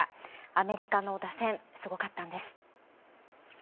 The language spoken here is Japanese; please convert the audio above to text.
アメリカの打線すごかったんです。